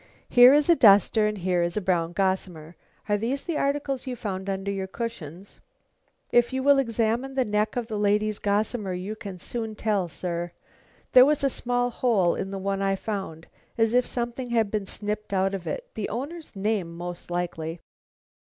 Here is a duster and here is a brown gossamer. Are these the articles you found under your cushions?" "If you will examine the neck of the lady's gossamer, you can soon tell, sir. There was a small hole in the one I found, as if something had been snipped out of it; the owner's name, most likely."